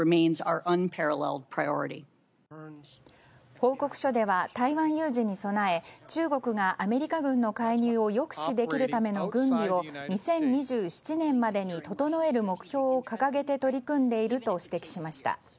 報告書では、台湾有事に備え中国がアメリカ軍の介入を抑止できるための軍備を２０２７年までに整える目標を掲げて取り組んでいると指摘しました。